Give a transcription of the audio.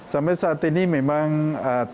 sampai saat ini memang tim dari ujian